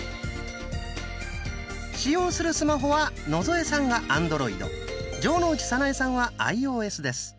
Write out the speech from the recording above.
使用するスマホは野添さんがアンドロイド城之内早苗さんはアイオーエスです。